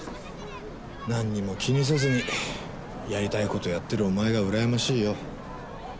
何にも気にせずにやりたいことやってるお前がうらやましいよ。